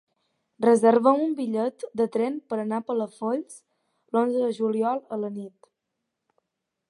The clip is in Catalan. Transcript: Reserva'm un bitllet de tren per anar a Palafolls l'onze de juliol a la nit.